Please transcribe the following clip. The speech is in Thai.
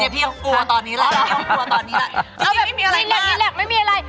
พี่อยากคลัวตอนนี้แหละพี่อยากตัวตอนนี้แหละ